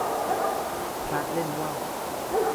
พระเล่นว่าว